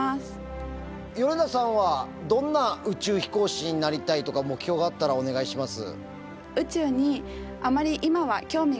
米田さんはどんな宇宙飛行士になりたいとか目標があったらお願いします。